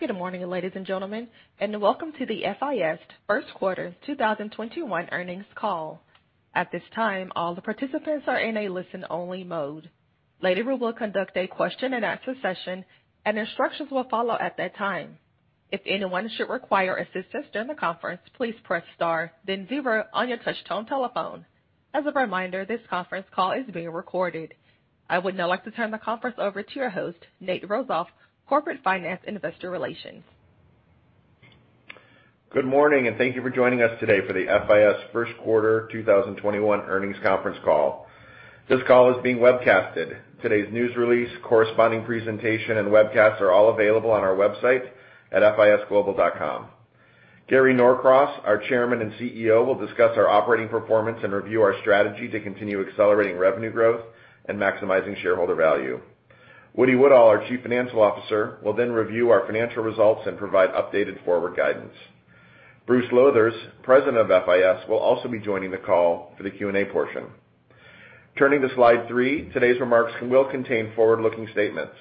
Good morning, ladies and gentlemen, and welcome to the FIS first quarter 2021 earnings call. At this time, all the participants are in a listen-only mode. Later, we will conduct a question-and-answer session, and instructions will follow at that time. If anyone should require assistance during the conference, please press star then zero on your touch-tone telephone. As a reminder, this conference call is being recorded. I would now like to turn the conference over to your host, Nathan Rosoff, Corporate Finance Investor Relations. Good morning, and thank you for joining us today for the FIS first quarter 2021 earnings conference call. This call is being webcasted. Today's news release, corresponding presentation, and webcast are all available on our website at fisglobal.com. Gary Norcross, our Chairman and CEO, will discuss our operating performance and review our strategy to continue accelerating revenue growth and maximizing shareholder value. James Woodall, our chief financial officer, will then review our financial results and provide updated forward guidance. Bruce Lowthers, President of FIS, will also be joining the call for the Q&A portion. Turning to slide three. Today's remarks will contain forward-looking statements.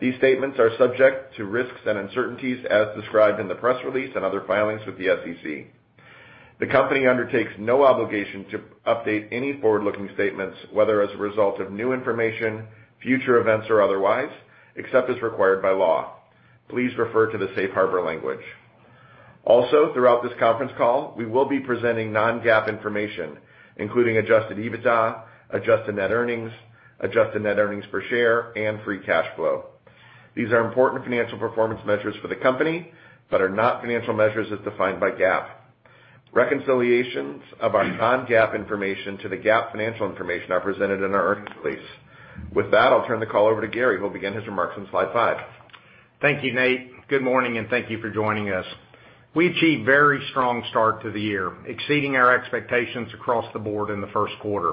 These statements are subject to risks and uncertainties as described in the press release and other filings with the SEC. The company undertakes no obligation to update any forward-looking statements, whether as a result of new information, future events, or otherwise, except as required by law. Please refer to the safe harbor language. Also, throughout this conference call, we will be presenting non-GAAP information, including adjusted EBITDA, adjusted net earnings, adjusted net earnings per share, and free cash flow. These are important financial performance measures for the company but are not financial measures as defined by GAAP. Reconciliations of our non-GAAP information to the GAAP financial information are presented in our earnings release. With that, I'll turn the call over to Gary, who will begin his remarks on slide five. Thank you, Nate. Good morning, and thank you for joining us. We achieved a very strong start to the year, exceeding our expectations across the board in the first quarter.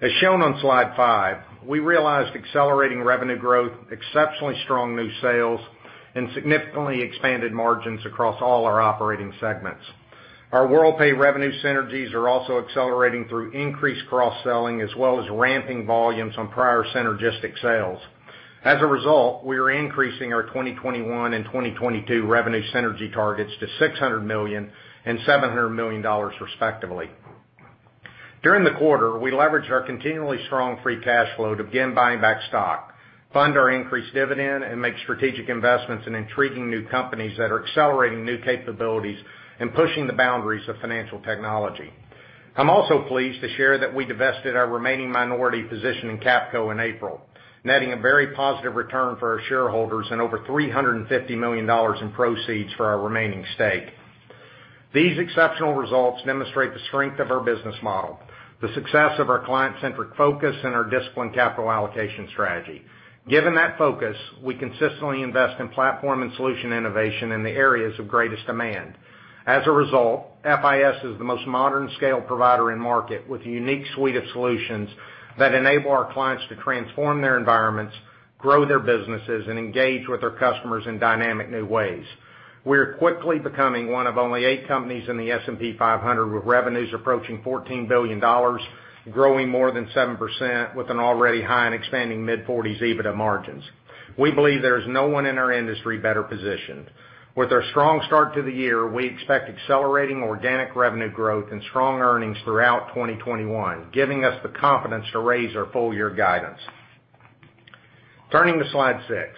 As shown on slide five, we realized accelerating revenue growth, exceptionally strong new sales, and significantly expanded margins across all our operating segments. Our Worldpay revenue synergies are also accelerating through increased cross-selling as well as ramping volumes on prior synergistic sales. As a result, we are increasing our 2021 and 2022 revenue synergy targets to $600 million and $700 million, respectively. During the quarter, we leveraged our continually strong free cash flow to begin buying back stock, fund our increased dividend, and make strategic investments in intriguing new companies that are accelerating new capabilities and pushing the boundaries of financial technology. I'm also pleased to share that we divested our remaining minority position in Capco in April, netting a very positive return for our shareholders and over $350 million in proceeds for our remaining stake. These exceptional results demonstrate the strength of our business model, the success of our client-centric focus, and our disciplined capital allocation strategy. Given that focus, we consistently invest in platform and solution innovation in the areas of greatest demand. As a result, FIS is the most modern scale provider in market with a unique suite of solutions that enable our clients to transform their environments, grow their businesses, and engage with their customers in dynamic new ways. We are quickly becoming one of only eight companies in the S&P 500 with revenues approaching $14 billion, growing more than 7% with an already high and expanding mid-40s EBITDA margins. We believe there is no one in our industry better positioned. With our strong start to the year, we expect accelerating organic revenue growth and strong earnings throughout 2021, giving us the confidence to raise our full-year guidance. Turning to slide six.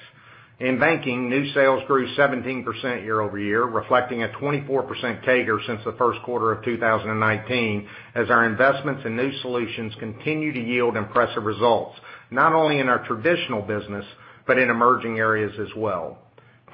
In banking, new sales grew 17% year-over-year, reflecting a 24% CAGR since the first quarter of 2019, as our investments in new solutions continue to yield impressive results, not only in our traditional business but in emerging areas as well.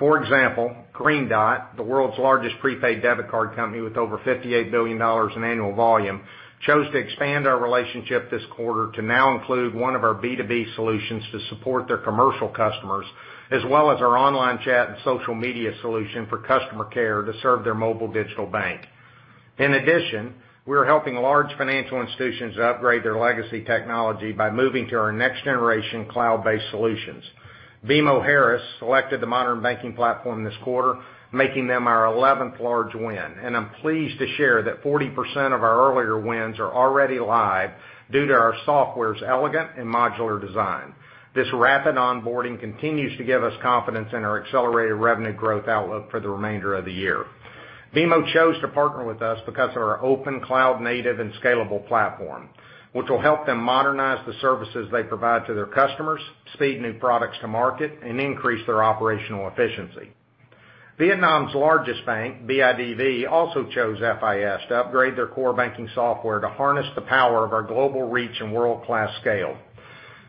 For example, Green Dot, the world's largest prepaid debit card company with over $58 billion in annual volume, chose to expand our relationship this quarter to now include one of our B2B solutions to support their commercial customers as well as our online chat and social media solution for customer care to serve their mobile digital bank. In addition, we are helping large financial institutions upgrade their legacy technology by moving to our next-generation cloud-based solutions. BMO Harris selected the Modern Banking Platform this quarter, making them our 11th large win, and I'm pleased to share that 40% of our earlier wins are already live due to our software's elegant and modular design. This rapid onboarding continues to give us confidence in our accelerated revenue growth outlook for the remainder of the year. BMO chose to partner with us because of our open cloud-native and scalable platform, which will help them modernize the services they provide to their customers, speed new products to market, and increase their operational efficiency. Vietnam's largest bank, BIDV, also chose FIS to upgrade their core banking software to harness the power of our global reach and world-class scale.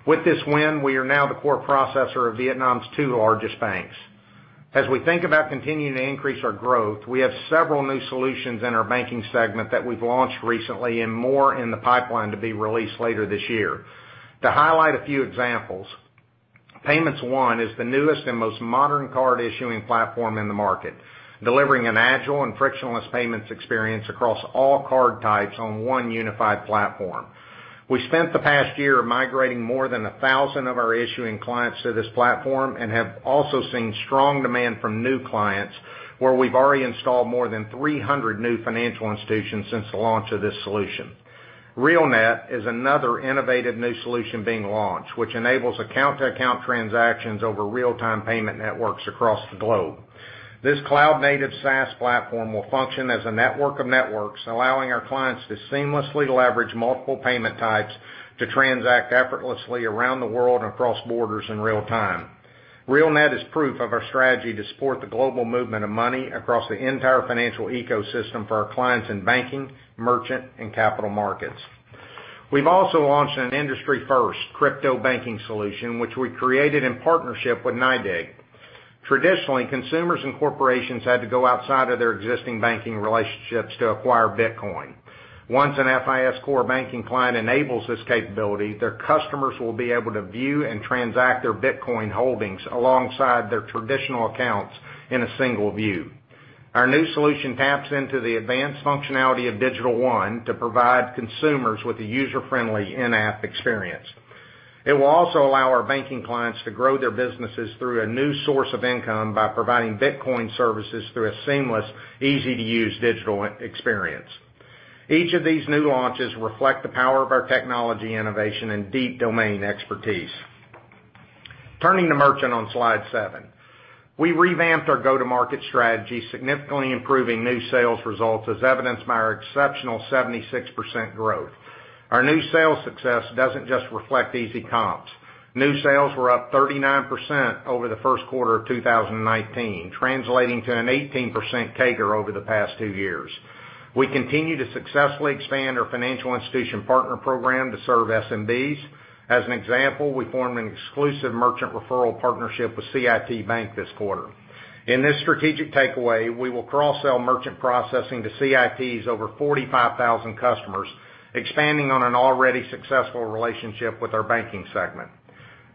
With this win, we are now the core processor of Vietnam's two largest banks. As we think about continuing to increase our growth, we have several new solutions in our banking segment that we've launched recently and more in the pipeline to be released later this year. To highlight a few examples, PaymentsOne is the newest and most modern card-issuing platform in the market, delivering an agile and frictionless payments experience across all card types on one unified platform. We spent the past year migrating more than 1,000 of our issuing clients to this platform and have also seen strong demand from new clients where we've already installed more than 300 new financial institutions since the launch of this solution. RealNet is another innovative new solution being launched, which enables account-to-account transactions over real-time payment networks across the globe. This cloud-native SaaS platform will function as a network of networks, allowing our clients to seamlessly leverage multiple payment types to transact effortlessly around the world and across borders in real time. RealNet is proof of our strategy to support the global movement of money across the entire financial ecosystem for our clients in banking, merchant, and capital markets. We've also launched an industry-first crypto banking solution, which we created in partnership with NYDIG. Traditionally, consumers and corporations had to go outside of their existing banking relationships to acquire Bitcoin. Once an FIS core banking client enables this capability, their customers will be able to view and transact their Bitcoin holdings alongside their traditional accounts in a single view. Our new solution taps into the advanced functionality of Digital One to provide consumers with a user-friendly in-app experience. It will also allow our banking clients to grow their businesses through a new source of income by providing Bitcoin services through a seamless, easy-to-use digital experience. Each of these new launches reflects the power of our technology innovation and deep domain expertise. Turning to merchant on slide seven. We revamped our go-to-market strategy, significantly improving new sales results, as evidenced by our exceptional 76% growth. Our new sales success doesn't just reflect easy comps. New sales were up 39% over the first quarter of 2019, translating to an 18% CAGR over the past two years. We continue to successfully expand our financial institution partner program to serve SMBs. As an example, we formed an exclusive merchant referral partnership with CIT Bank this quarter. In this strategic takeaway, we will cross-sell merchant processing to CIT's over 45,000 customers, expanding on an already successful relationship with our banking segment.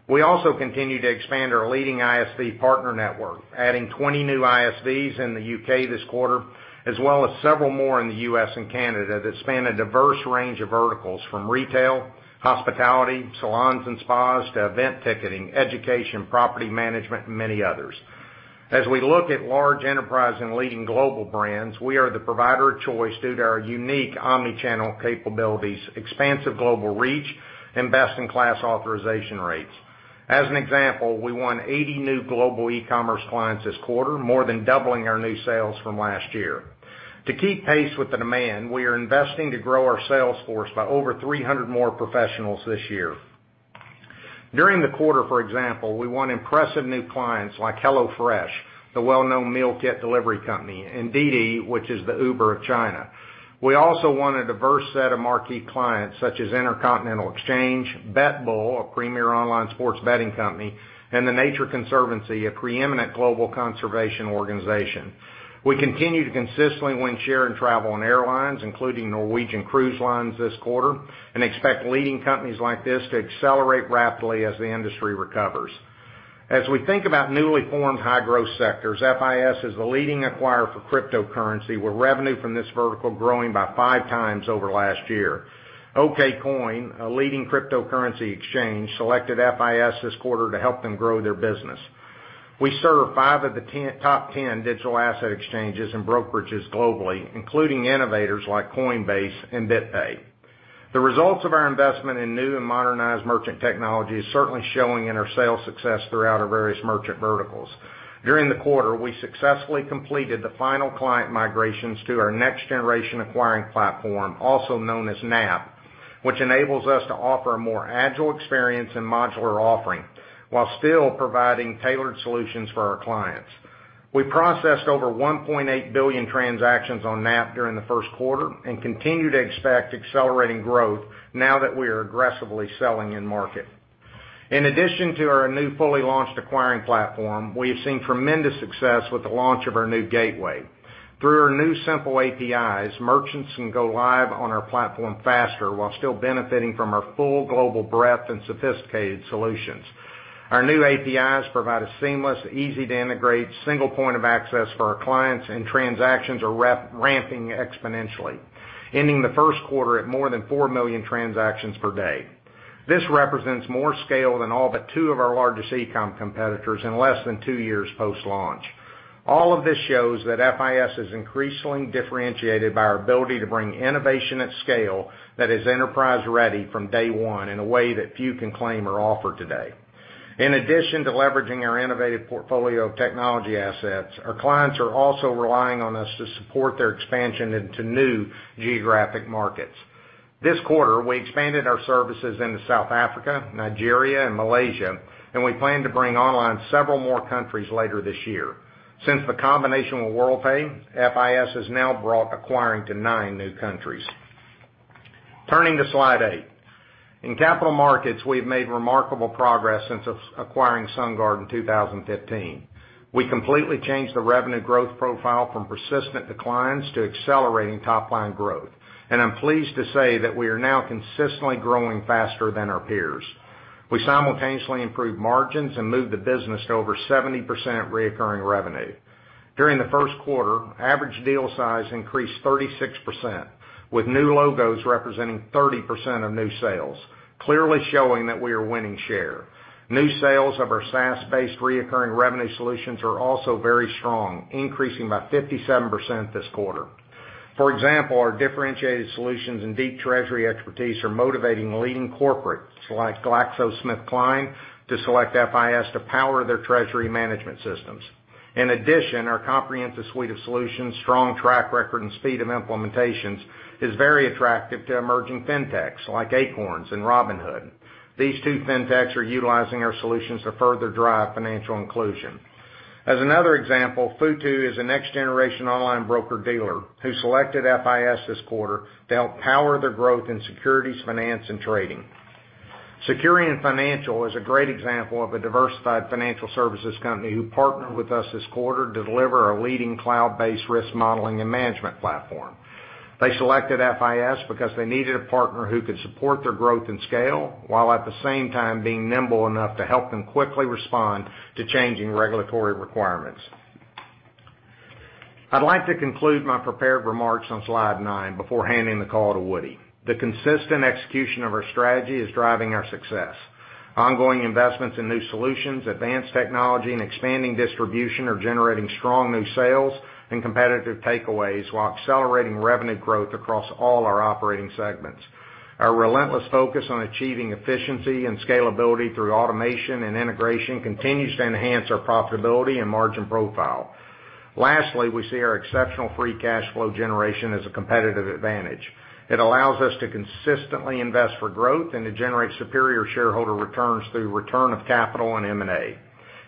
We also continue to expand our leading ISV partner network, adding 20 new ISVs in the U.K. this quarter, as well as several more in the U.S. and Canada that span a diverse range of verticals from retail, hospitality, salons and spas, to event ticketing, education, property management, and many others. As we look at large enterprise and leading global brands, we are the provider of choice due to our unique omni-channel capabilities, expansive global reach, and best-in-class authorization rates. As an example, we won 80 new global e-commerce clients this quarter, more than doubling our new sales from last year. To keep pace with the demand, we are investing to grow our sales force by over 300 more professionals this year. During the quarter, for example, we won impressive new clients like HelloFresh, the well-known meal kit delivery company, and DiDi, which is the Uber of China. We also won a diverse set of marquee clients, such as Intercontinental Exchange, BetBull, a premier online sports betting company, and The Nature Conservancy, a preeminent global conservation organization. We continue to consistently win share and travel in airlines, including Norwegian Cruise Line, this quarter, and expect leading companies like this to accelerate rapidly as the industry recovers. As we think about newly formed high-growth sectors, FIS is the leading acquirer for cryptocurrency, with revenue from this vertical growing by five times over last year. Okcoin, a leading cryptocurrency exchange, selected FIS this quarter to help them grow their business. We serve five of the top 10 digital asset exchanges and brokerages globally, including innovators like Coinbase and BitPay. The results of our investment in new and modernized merchant technology is certainly showing in our sales success throughout our various merchant verticals. During the quarter, we successfully completed the final client migrations to our next-generation acquiring platform, also known as NAP, which enables us to offer a more agile experience and modular offering while still providing tailored solutions for our clients. We processed over 1.8 billion transactions on NAP during the first quarter and continue to expect accelerating growth now that we are aggressively selling in market. In addition to our new fully launched acquiring platform, we have seen tremendous success with the launch of our new gateway. Through our new simple APIs, merchants can go live on our platform faster while still benefiting from our full global breadth and sophisticated solutions. Our new APIs provide a seamless, easy-to-integrate, single point of access for our clients, and transactions are ramping exponentially, ending the first quarter at more than 4 million transactions per day. This represents more scale than all but two of our largest e-com competitors in less than two years post-launch. All of this shows that FIS is increasingly differentiated by our ability to bring innovation at scale that is enterprise-ready from day one in a way that few can claim or offer today. In addition to leveraging our innovative portfolio of technology assets, our clients are also relying on us to support their expansion into new geographic markets. This quarter, we expanded our services into South Africa, Nigeria, and Malaysia, and we plan to bring online several more countries later this year. Since the combination with Worldpay, FIS has now brought acquiring to nine new countries. Turning to slide eight. In capital markets, we've made remarkable progress since acquiring SunGard in 2015. We completely changed the revenue growth profile from persistent declines to accelerating top-line growth. I'm pleased to say that we are now consistently growing faster than our peers. We simultaneously improved margins and moved the business to over 70% recurring revenue. During the first quarter, average deal size increased 36%, with new logos representing 30% of new sales, clearly showing that we are winning share. New sales of our SaaS-based recurring revenue solutions are also very strong, increasing by 57% this quarter. For example, our differentiated solutions and deep treasury expertise are motivating leading corporates like GlaxoSmithKline to select FIS to power their treasury management systems. In addition, our comprehensive suite of solutions, strong track record, and speed of implementations is very attractive to emerging fintechs like Acorns and Robinhood. These two fintechs are utilizing our solutions to further drive financial inclusion. As another example, Futu is a next-generation online broker-dealer who selected FIS this quarter to help power their growth in securities finance and trading. Securian Financial is a great example of a diversified financial services company who partnered with us this quarter to deliver a leading cloud-based risk modeling and management platform. They selected FIS because they needed a partner who could support their growth and scale while at the same time being nimble enough to help them quickly respond to changing regulatory requirements. I'd like to conclude my prepared remarks on slide nine before handing the call to Woodall. The consistent execution of our strategy is driving our success. Ongoing investments in new solutions, advanced technology, and expanding distribution are generating strong new sales and competitive takeaways while accelerating revenue growth across all our operating segments. Our relentless focus on achieving efficiency and scalability through automation and integration continues to enhance our profitability and margin profile. Lastly, we see our exceptional free cash flow generation as a competitive advantage. It allows us to consistently invest for growth and to generate superior shareholder returns through return of capital and M&A.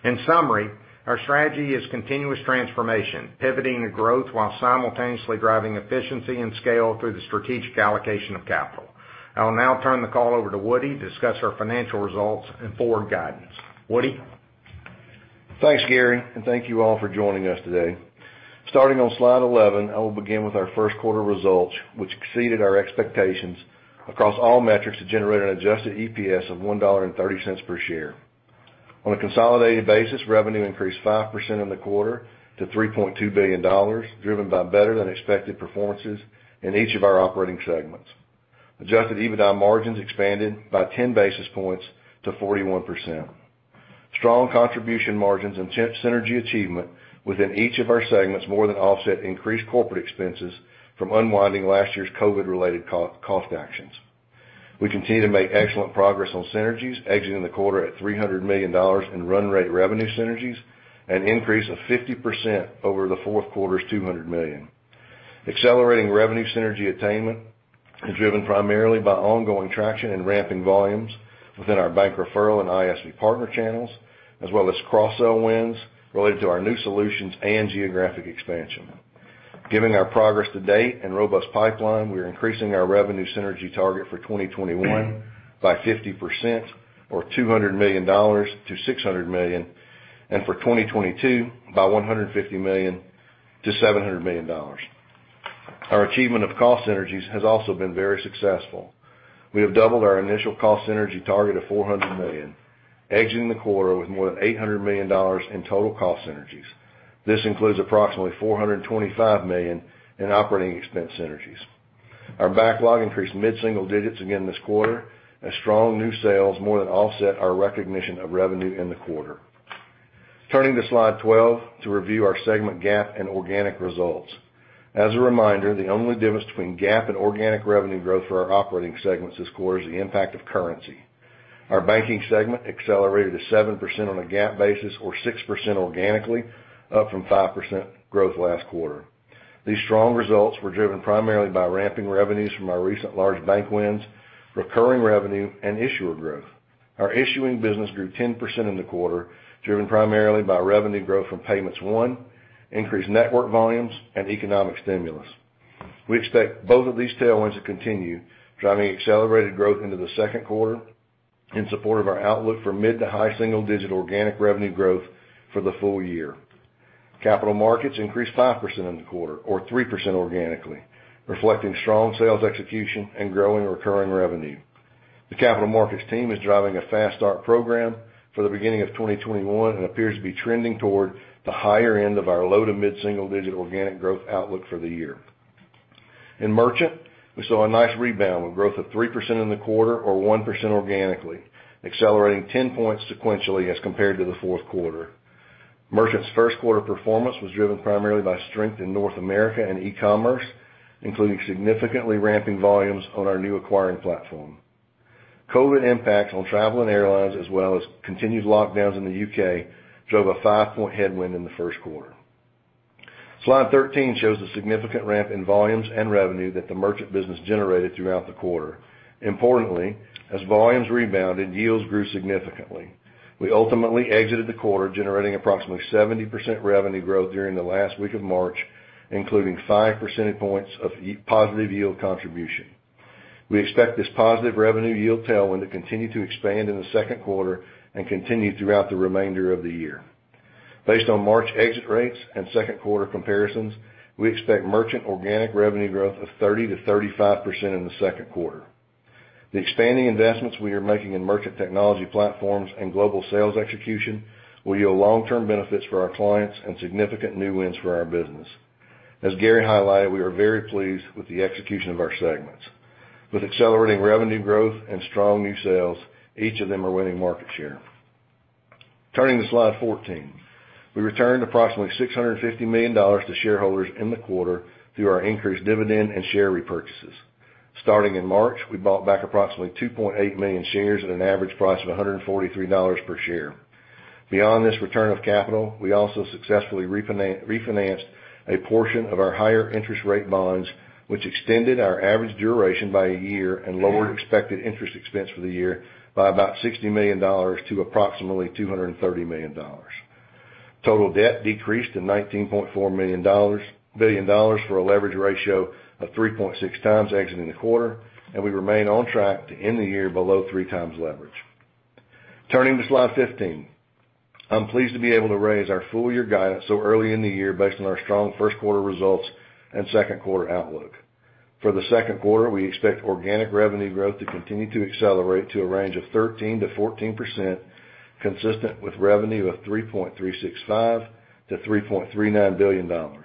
In summary, our strategy is continuous transformation, pivoting to growth while simultaneously driving efficiency and scale through the strategic allocation of capital. I will now turn the call over to Woody to discuss our financial results and forward guidance. Woody? Thanks, Gary. Thank you all for joining us today. Starting on slide 11, I will begin with our first quarter results, which exceeded our expectations across all metrics to generate an adjusted EPS of $1.30 per share. On a consolidated basis, revenue increased 5% in the quarter to $3.2 billion, driven by better than expected performances in each of our operating segments. Adjusted EBITDA margins expanded by 10 basis points to 41%. Strong contribution margins and synergy achievement within each of our segments more than offset increased corporate expenses from unwinding last year's COVID-related cost actions. We continue to make excellent progress on synergies, exiting the quarter at $300 million in run-rate revenue synergies, an increase of 50% over the fourth quarter's $200 million. Accelerating revenue synergy attainment is driven primarily by ongoing traction and ramping volumes within our bank referral and ISV partner channels, as well as cross-sell wins related to our new solutions and geographic expansion. Given our progress to date and robust pipeline, we are increasing our revenue synergy target for 2021 by 50%, or $200 million to $600 million, and for 2022 by $150 million to $700 million. Our achievement of cost synergies has also been very successful. We have doubled our initial cost synergy target of $400 million, exiting the quarter with more than $800 million in total cost synergies. This includes approximately $425 million in operating expense synergies. Our backlog increased mid-single digits again this quarter as strong new sales more than offset our recognition of revenue in the quarter. Turning to slide 12 to review our segment GAAP and organic results. As a reminder, the only difference between GAAP and organic revenue growth for our operating segments this quarter is the impact of currency. Our banking segment accelerated to 7% on a GAAP basis or 6% organically, up from 5% growth last quarter. These strong results were driven primarily by ramping revenues from our recent large bank wins, recurring revenue, and issuer growth. Our issuing business grew 10% in the quarter, driven primarily by revenue growth from Payments One, increased network volumes, and economic stimulus. We expect both of these tailwinds to continue, driving accelerated growth into the second quarter in support of our outlook for mid to high single-digit organic revenue growth for the full year. Capital markets increased 5% in the quarter or 3% organically, reflecting strong sales execution and growing recurring revenue. The capital markets team is driving a fast-start program for the beginning of 2021 and appears to be trending toward the higher end of our low- to mid-single-digit organic growth outlook for the year. In merchant, we saw a nice rebound with growth of 3% in the quarter, or 1% organically, accelerating 10 points sequentially as compared to the fourth quarter. Merchant's first quarter performance was driven primarily by strength in North America and e-commerce, including significantly ramping volumes on our new acquiring platform. COVID impacts on travel and airlines as well as continued lockdowns in the U.K. drove a five-point headwind in the first quarter. Slide 13 shows the significant ramp in volumes and revenue that the merchant business generated throughout the quarter. Importantly, as volumes rebounded, yields grew significantly. We ultimately exited the quarter generating approximately 70% revenue growth during the last week of March, including five percentage points of positive yield contribution. We expect this positive revenue yield tailwind to continue to expand in the second quarter and continue throughout the remainder of the year. Based on March exit rates and second quarter comparisons, we expect merchant organic revenue growth of 30%-35% in the second quarter. The expanding investments we are making in merchant technology platforms and global sales execution will yield long-term benefits for our clients and significant new wins for our business. As Gary highlighted, we are very pleased with the execution of our segments. With accelerating revenue growth and strong new sales, each of them are winning market share. Turning to slide 14. We returned approximately $650 million to shareholders in the quarter through our increased dividend and share repurchases. Starting in March, we bought back approximately 2.8 million shares at an average price of $143 per share. Beyond this return of capital, we also successfully refinanced a portion of our higher interest rate bonds, which extended our average duration by a year and lowered expected interest expense for the year by about $60 million to approximately $230 million. Total debt decreased to $19.4 billion for a leverage ratio of 3.6 times exiting the quarter, and we remain on track to end the year below three times leverage. Turning to slide 15. I'm pleased to be able to raise our full-year guidance so early in the year based on our strong first-quarter results and second-quarter outlook. For the second quarter, we expect organic revenue growth to continue to accelerate to a range of 13%-14%, consistent with revenue of $3.365 billion-$3.39 billion.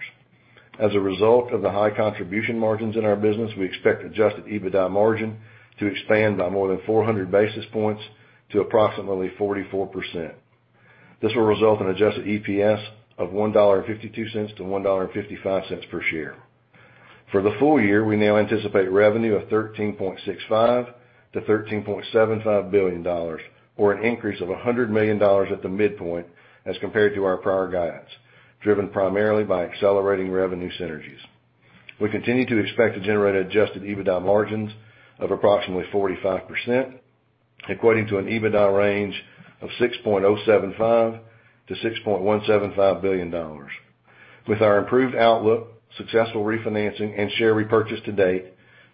As a result of the high contribution margins in our business, we expect adjusted EBITDA margin to expand by more than 400 basis points to approximately 44%. This will result in adjusted EPS of $1.52-$1.55 per share. For the full year, we now anticipate revenue of $13.65 billion-$13.75 billion, or an increase of $100 million at the midpoint as compared to our prior guidance, driven primarily by accelerating revenue synergies. We continue to expect to generate adjusted EBITDA margins of approximately 45%, equating to an EBITDA range of $6.075 billion-$6.175 billion. With our improved outlook, successful refinancing, and share repurchase to date,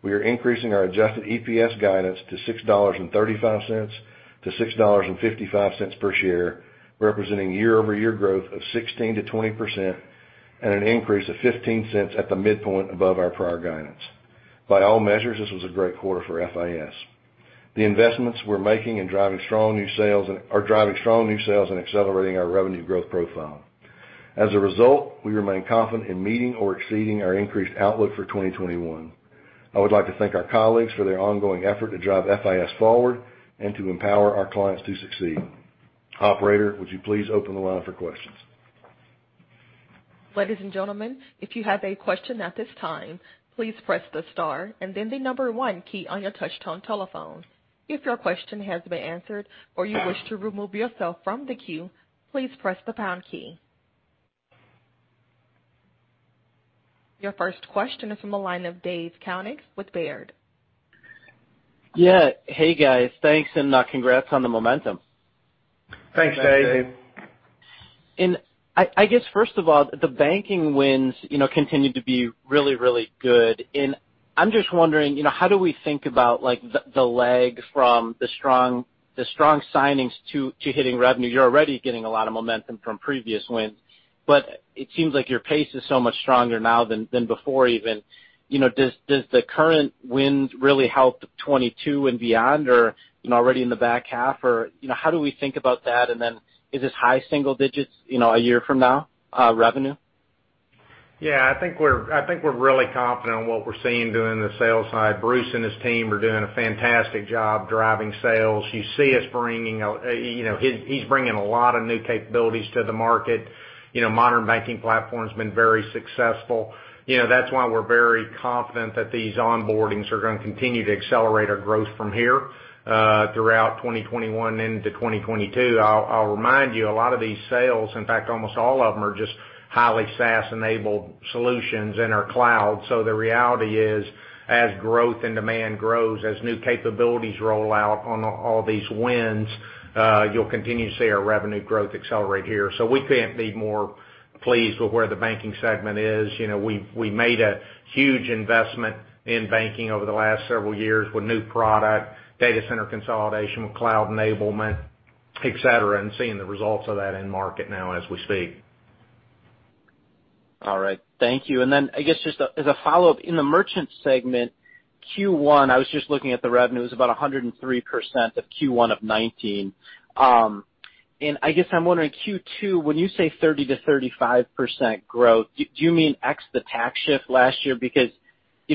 we are increasing our adjusted EPS guidance to $6.35-$6.55 per share, representing year-over-year growth of 16%-20% and an increase of $0.15 at the midpoint above our prior guidance. By all measures, this was a great quarter for FIS. The investments we're making are driving strong new sales and accelerating our revenue growth profile. We remain confident in meeting or exceeding our increased outlook for 2021. I would like to thank our colleagues for their ongoing effort to drive FIS forward and to empower our clients to succeed. Operator, would you please open the line for questions? Ladies and gentlemen, if you have a question at this time, please press the star and then the number one key on your touch-tone telephone. If your question has been answered or you wish to remove yourself from the queue, please press the pound key. Your first question is from the line of David Koning with Baird. Yeah. Hey, guys. Thanks, and congrats on the momentum. Thanks, Dave. Thanks, Dave. I guess, first of all, the banking wins continued to be really, really good. I'm just wondering, how do we think about the lag from the strong signings to hitting revenue? You're already getting a lot of momentum from previous wins, but it seems like your pace is so much stronger now than before, even. Does the current wins really help 2022 and beyond or already in the back half? How do we think about that? Is this high single digits a year from now, revenue? I think we're really confident on what we're seeing during the sales side. Bruce and his team are doing a fantastic job driving sales. You see he's bringing a lot of new capabilities to the market. The Modern Banking Platform's been very successful. That's why we're very confident that these onboardings are going to continue to accelerate our growth from here throughout 2021 into 2022. I'll remind you, a lot of these sales, in fact, almost all of them, are just highly SaaS-enabled solutions and are cloud. The reality is, as growth and demand grow, as new capabilities roll out on all these wins, you'll continue to see our revenue growth accelerate here. We couldn't be more pleased with where the banking segment is. We made a huge investment in banking over the last several years with new products, data center consolidation with cloud enablement, et cetera, and seeing the results of that in market now as we speak. All right. Thank you. I guess just as a follow-up. In the merchant segment Q1, I was just looking at the revenue; it was about 103% of Q1 of 2019. I guess I'm wondering, Q2, when you say 30% to 35% growth, do you mean ex the tax shift last year?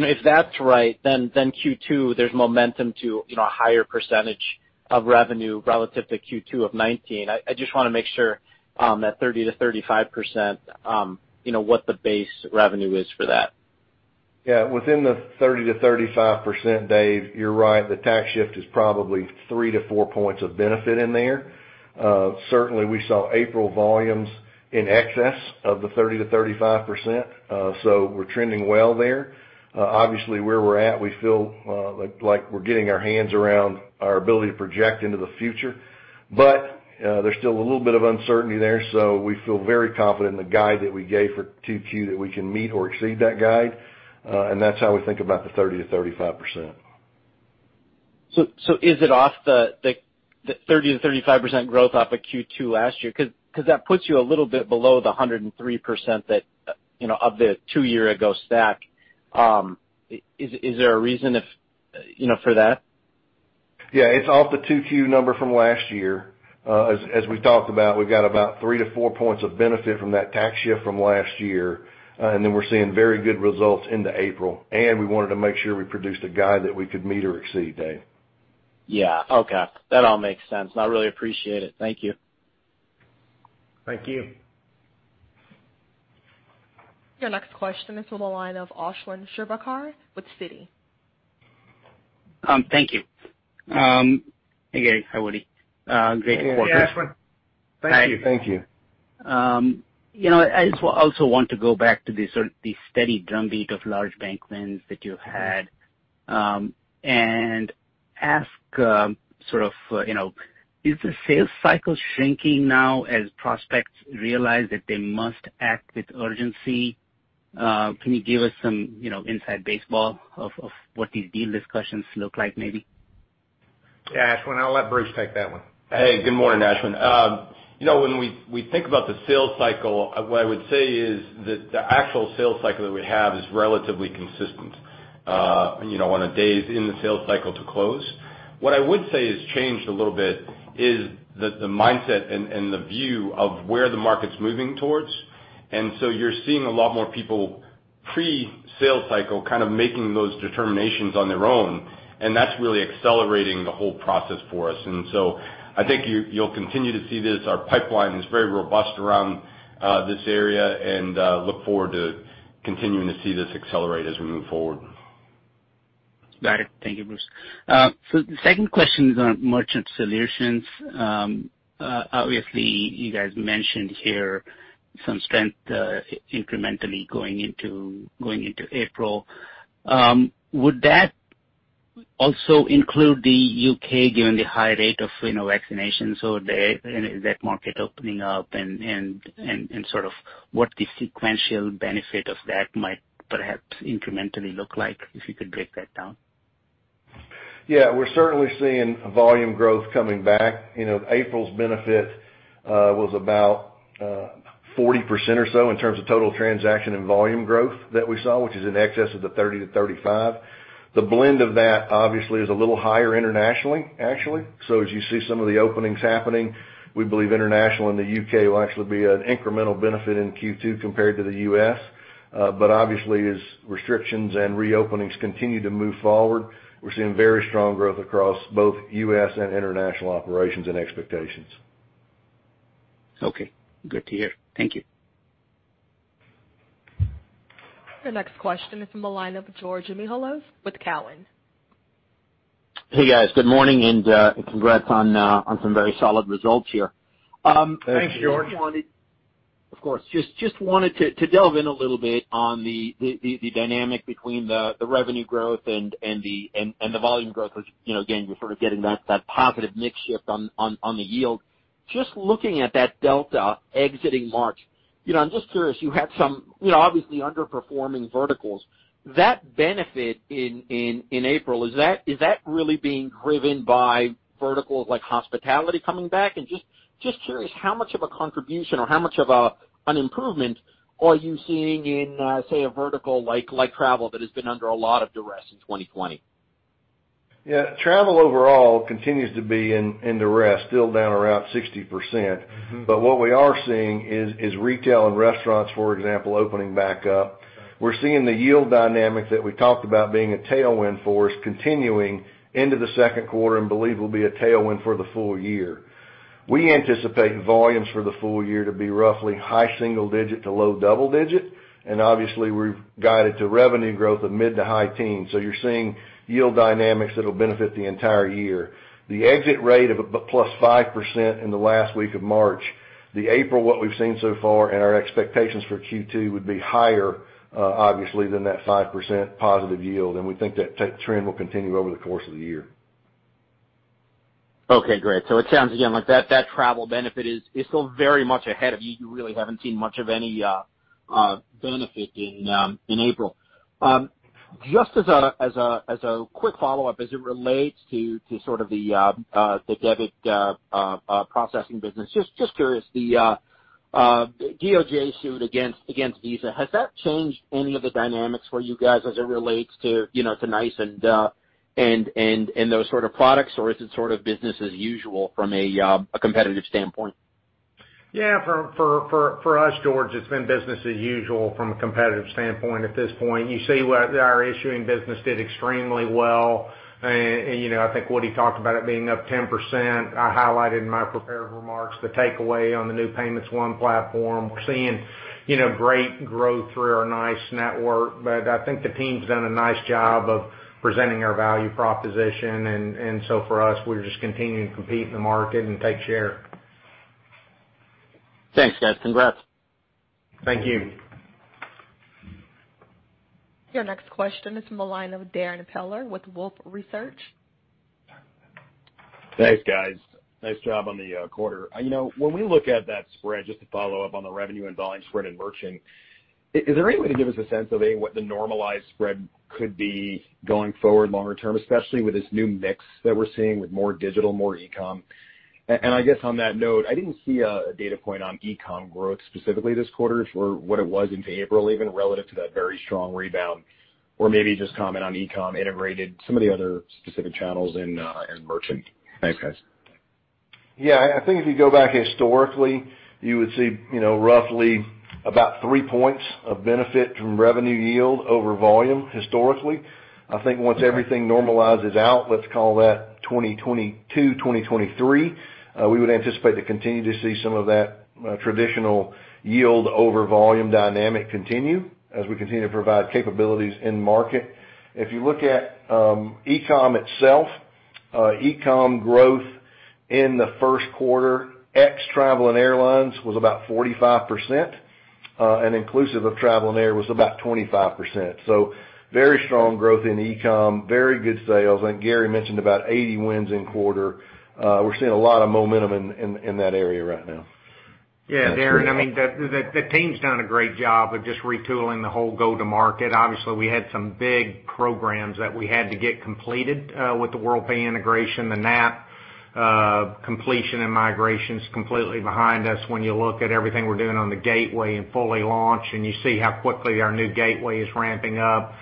If that's right, Q2, there's momentum to a higher percentage of revenue relative to Q2 of 2019. I just want to make sure that 30% to 35%, what the base revenue is for that. Yeah. Within the 30% to 35%, David, you're right, the tax shift is probably three to four points of benefit in there. Certainly, we saw April volumes in excess of the 30% to 35%; we're trending well there. Obviously, where we're at, we feel like we're getting our hands around our ability to project into the future. There's still a little bit of uncertainty there; we feel very confident in the guide that we gave for 2Q that we can meet or exceed that guide. That's how we think about the 30%-35%. Is it off the 30% to 35% growth off of Q2 last year? That puts you a little bit below the 103% of the two-year-ago stack. Is there a reason for that? It's off the 2Q number from last year. As we've talked about, we've got about three to four points of benefit from that tax shift from last year, and then we're seeing very good results into April, and we wanted to make sure we produced a guide that we could meet or exceed, Dave. Okay. That all makes sense, and I really appreciate it. Thank you. Thank you. Your next question is on the line of Ashwin Shirvaikar with Citi. Thank you. Hey, Gary. Hi, Woody. Great quarter. Hey, Ashwin. Thank you. Thank you. I also want to go back to the steady drumbeat of large bank wins that you had and ask, Is the sales cycle shrinking now as prospects realize that they must act with urgency? Can you give us some inside baseball of what these deal discussions look like, maybe? Yeah, Ashwin, I'll let Bruce take that one. Hey, good morning, Ashwin. When we think about the sales cycle, what I would say is that the actual sales cycle that we have is relatively consistent on the days in the sales cycle to close. What I would say has changed a little bit is the mindset and the view of where the market's moving towards. You're seeing a lot more people pre-sales cycle kind of making those determinations on their own, and that's really accelerating the whole process for us. I think you'll continue to see this. Our pipeline is very robust around this area and look forward to continuing to see this accelerate as we move forward. Got it. Thank you, Bruce. The second question is on Merchant Solutions. Obviously, you guys mentioned here some strength incrementally going into April. Would that also include the U.K., given the high rate of vaccination? That market opening up and sort of what the sequential benefit of that might perhaps incrementally look like, if you could break that down. We're certainly seeing volume growth coming back. April's benefit was about 40% or so in terms of total transaction and volume growth that we saw, which is in excess of the 30%-35%. The blend of that, obviously, is a little higher internationally, actually. As you see some of the openings happening, we believe international and the U.K. will actually be an incremental benefit in Q2 compared to the U.S. Obviously, as restrictions and reopenings continue to move forward, we're seeing very strong growth across both U.S. and international operations and expectations. Okay. Good to hear. Thank you. The next question is from the line of George Mihalos with Cowen. Hey, guys. Good morning and congrats on some very solid results here. Thanks, George. Of course. Just wanted to delve in a little bit on the dynamic between the revenue growth and the volume growth, which, again, you're sort of getting that positive mix shift on the yield. Just looking at that delta exiting March, I'm just curious; you had some obviously underperforming verticals. That benefit in April, is that really being driven by verticals like hospitality coming back? Just curious, how much of a contribution or how much of an improvement are you seeing in, say, a vertical like travel that has been under a lot of duress in 2020? Yeah. Travel overall continues to be in duress, still down around 60%. What we are seeing is retail and restaurants, for example, opening back up. We're seeing the yield dynamics that we talked about being a tailwind for us continuing into the second quarter and believe will be a tailwind for the full year. We anticipate volumes for the full year to be roughly high single-digit to low double-digit, and obviously we've guided to revenue growth of mid- to high teens. You're seeing yield dynamics that'll benefit the entire year. The exit rate of +5% in the last week of March, the April what we've seen so far and our expectations for Q2 would be higher, obviously, than that 5% positive yield, and we think that trend will continue over the course of the year. Okay, great. It sounds, again, like that travel benefit is still very much ahead of you. You really haven't seen much of any benefit in April. Just as a quick follow-up as it relates to sort of the debit processing business, I'm just curious, the DOJ suit against Visa, has that changed any of the dynamics for you guys as it relates to NYCE and those sorts of products? Is it sort of business as usual from a competitive standpoint? For us, George, it's been business as usual from a competitive standpoint at this point. You see our issuing business did extremely well, and I think Woody talked about it being up 10%. I highlighted in my prepared remarks the takeaway on the new Payments One platform. We're seeing great growth through our NYCE network. I think the team's done a nice job of presenting our value proposition. For us, we're just continuing to compete in the market and take share. Thanks, guys. Congrats. Thank you. Your next question is from the line of Darrin Peller with Wolfe Research. Thanks, guys. Nice job on the quarter. We look at that spread, just to follow up on the revenue and volume spread in merchant. Is there any way to give us a sense of, A, what the normalized spread could be going forward longer term, especially with this new mix that we're seeing with more digital, more e-com? I guess on that note, I didn't see a data point on e-com growth specifically this quarter or what it was into April even relative to that very strong rebound. Maybe just comment on e-com integrated, some of the other specific channels in merchant. Thanks, guys. I think if you go back historically, you would see roughly about three points of benefit from revenue yield over volume historically. I think once everything normalizes out, let's call that 2022, 2023, we would anticipate to continue to see some of that traditional yield over volume dynamic continue as we continue to provide capabilities in market. If you look at e-com itself, e-com growth in the first quarter, ex travel and airlines, was about 45%, and inclusive of travel and air was about 25%. Very strong growth in e-com, very good sales. I think Gary mentioned about 80 wins in quarter. We're seeing a lot of momentum in that area right now. Yeah, Darrin, the team's done a great job of just retooling the whole go-to-market. Obviously, we had some big programs that we had to get completed with the Worldpay integration; the NAP completion and migration's completely behind us. When you look at everything we're doing on the gateway and fully launch, and you see how quickly our new gateway is ramping up.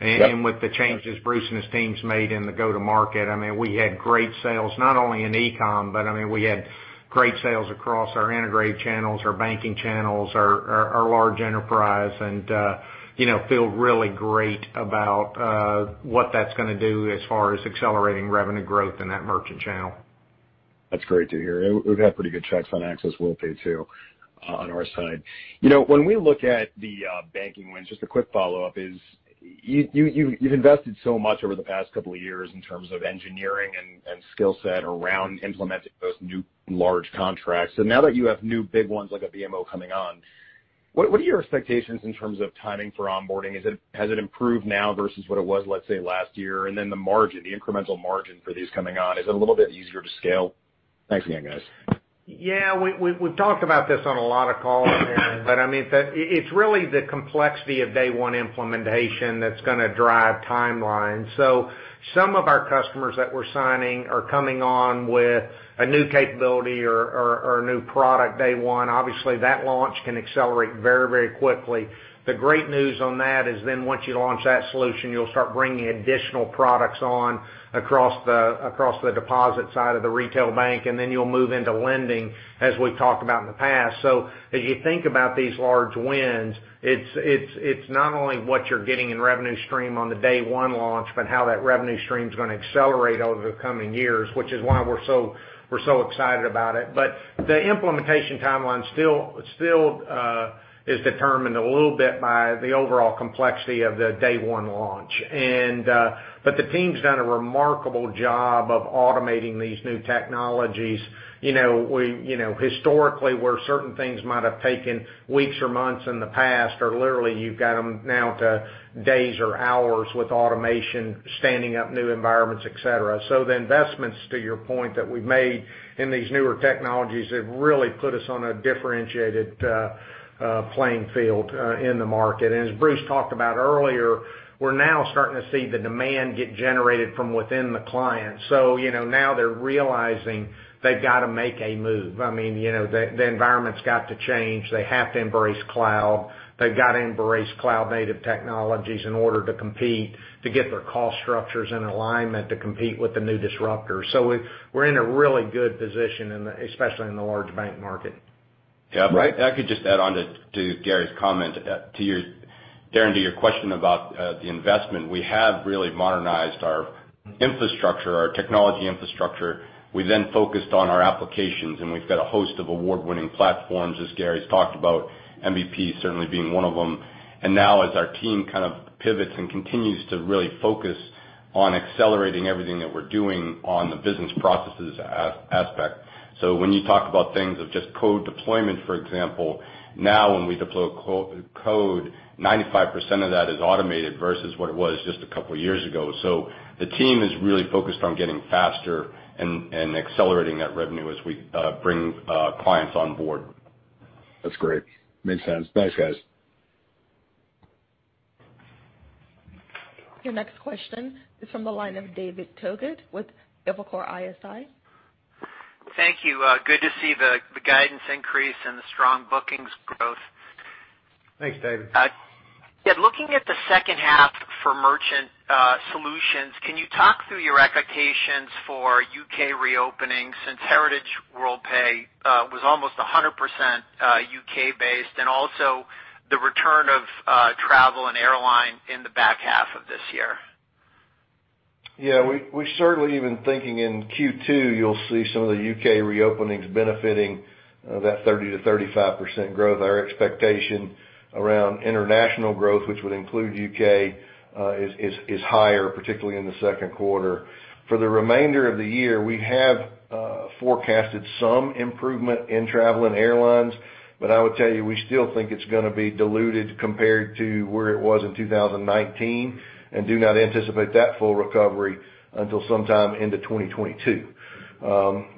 With the changes Bruce and his team's made in the go-to-market, we had great sales, not only in e-com, but we had great sales across our integrated channels, our banking channels, our large enterprise, and feel really great about what that's going to do as far as accelerating revenue growth in that merchant channel. That's great to hear. We've had pretty good checks on Access Worldpay, too, on our side. When we look at the banking wins, just a quick follow-up is you've invested so much over the past couple of years in terms of engineering and skill sets around implementing those new large contracts. Now that you have new big ones like a BMO coming on, what are your expectations in terms of timing for onboarding? Has it improved now versus what it was, let's say, last year? The margin, the incremental margin for these coming on, is it a little bit easier to scale? Thanks again, guys. Yeah, we've talked about this on a lot of calls, Darrin, but it's really the complexity of day one implementation that's going to drive timelines. Some of our customers that we're signing are coming on with a new capability or a new product day one. Obviously, that launch can accelerate very quickly. The great news on that is then once you launch that solution, you'll start bringing additional products on across the deposit side of the retail bank, and then you'll move into lending as we've talked about in the past. As you think about these large wins, it's not only what you're getting in revenue stream on the day one launch, but how that revenue stream's going to accelerate over the coming years, which is why we're so excited about it. The implementation timeline still is determined a little bit by the overall complexity of the day-one launch. The team's done a remarkable job of automating these new technologies. Historically, where certain things might have taken weeks or months in the past are literally you've got them now to days or hours with automation, standing up new environments, et cetera. The investments, to your point, that we've made in these newer technologies have really put us on a differentiated playing field in the market. As Bruce talked about earlier, we're now starting to see the demand get generated from within the client. Now they're realizing they've got to make a move. The environment's got to change. They have to embrace cloud. They've got to embrace cloud-native technologies in order to compete, to get their cost structures in alignment to compete with the new disruptors. We're in a really good position, especially in the large bank market. Yeah. If I could just add on to Gary's comment, Darrin, to your question about the investment, we have really modernized our infrastructure, our technology infrastructure. We then focused on our applications, and we've got a host of award-winning platforms, as Gary's talked about, MBP certainly being one of them. Now as our team pivots and continues to really focus on accelerating everything that we're doing on the business processes aspect. When you talk about things of just code deployment, for example, now when we deploy code, 95% of that is automated versus what it was just a couple of years ago. The team is really focused on getting faster and accelerating that revenue as we bring clients on board. That's great. Makes sense. Thanks, guys. Your next question is from the line of David Togut with Evercore ISI. Thank you. Good to see the guidance increase and the strong bookings growth. Thanks, David. Yeah, looking at the second half for Merchant Solutions, can you talk through your expectations for U.K. reopening since Heritage Worldpay was almost 100% U.K.-based and also the return of travel and airlines in the back half of this year? Yeah, we certainly even thinking in Q2, you'll see some of the U.K. reopenings benefiting that 30%-35% growth. Our expectation around international growth, which would include U.K., is higher, particularly in the second quarter. For the remainder of the year, we have forecasted some improvement in travel and airlines. I would tell you we still think it's going to be diluted compared to where it was in 2019; do not anticipate that full recovery until sometime into 2022.